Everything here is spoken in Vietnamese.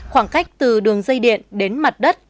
khoảng cách từ đường dây điện đến mặt đất